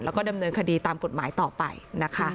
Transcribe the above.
แล้วก็ดำเนินคดีตามกฎหมายต่อไปนะคะ